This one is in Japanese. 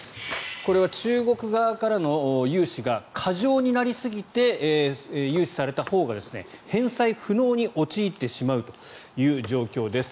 これは中国側からの融資が過剰になりすぎて融資されたほうが返済不能に陥ってしまうという状況です。